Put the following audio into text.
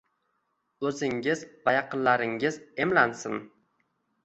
Oʻzingiz va yaqinlaringiz emlansin.